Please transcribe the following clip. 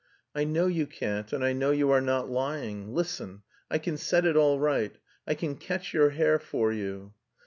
"I know you can't, and I know you are not lying. Listen. I can set it all right. I can 'catch your hare' for you."